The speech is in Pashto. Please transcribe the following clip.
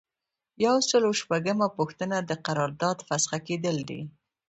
یو سل او شپږمه پوښتنه د قرارداد فسخه کیدل دي.